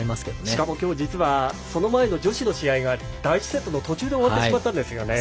しかも実はその前の女子の試合が第１セットの途中で終わってしまったんですよね。